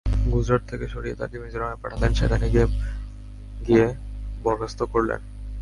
গুজরাট থেকে সরিয়ে তাঁকে মিজোরাম পাঠালেন, সেখানে নিয়ে গিয়ে বরখাস্ত করলেন।